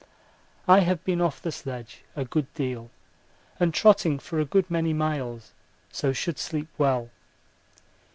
I have been off the sledge a good deal and trotting for a good many miles, so should sleep well.